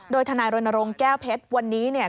โดยทนายรณรงค์แก้วเพชรวันนี้เนี่ย